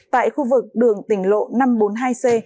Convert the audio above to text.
tại khu vực đường tỉnh lộ năm trăm bốn mươi hai c